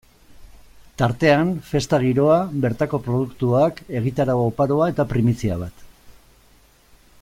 Tartean, festa giroa, bertako produktuak, egitarau oparoa eta primizia bat.